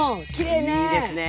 いいですね。